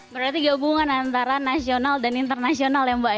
berarti gabungan antara nasional dan internasional ya mbak ya